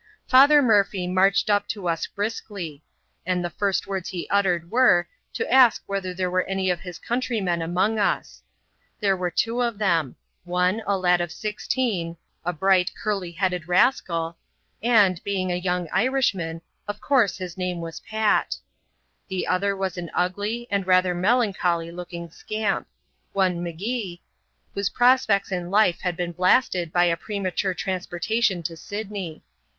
Father Murphy marched up to us briskly ; and the first words he uttered were, to ask whether there were any of his country men among us. There were two of them ; one, a lad of sixteen ^ a bright, curly headed rascal — and, being a young Irishman, of course his name was Pat. The other was an ugly, and rather melancholy looking scamp ; one M*Gee, whose prospects in life had been blasted by a premature transportation to Syd ney.